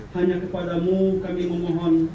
hanya kepadamu kami memohon